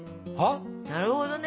なるほどね！